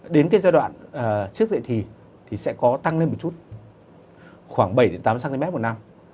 đến cái giai đoạn trước dậy thì sẽ có tăng lên một chút khoảng bảy tám cm một năm